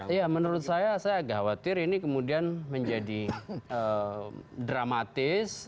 ya menurut saya saya agak khawatir ini kemudian menjadi dramatis